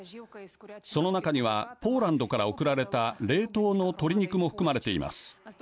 その中にはポーランドから送られた冷凍の鶏肉も含まれています。